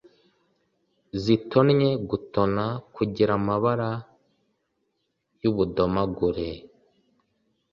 zitonnye/gutona: kugira amabara y’ubudomagure,